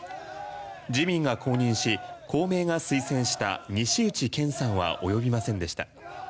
自民が公認し公明が推薦した西内健さんはおよびませんでした。